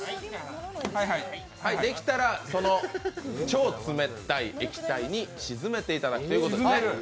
できたら、超冷たい液体に沈めていただくということですね。